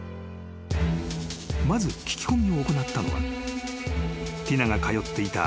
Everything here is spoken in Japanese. ［まず聞き込みを行ったのはティナが通っていた］